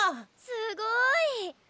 すごい。